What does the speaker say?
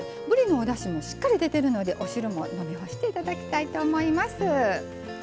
ぶりのおだしもしっかり出ているのでお汁も飲み干していただきたいと思います。